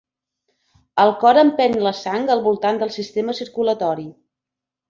El cor empeny la sang al voltant del sistema circulatori.